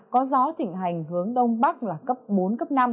có gió thịnh hành hướng đông bắc là cấp bốn cấp năm